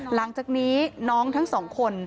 หลังจากนี้น้องทั้งสองคน